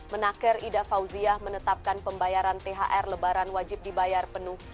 menaker ida fauziah menetapkan pembayaran thr lebaran wajib dibayar penuh